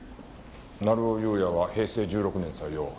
成尾優也は平成１６年採用。